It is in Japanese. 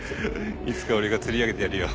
いつか俺が釣り上げてやるよ。